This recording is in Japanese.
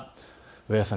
上原さん